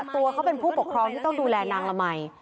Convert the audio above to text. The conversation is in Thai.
ตัวเขาเป็นผู้ปกครองที่ต้องดูแลนางละมัย